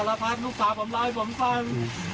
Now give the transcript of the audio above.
ลูกบ่าผมเลาะให้ผมฟัง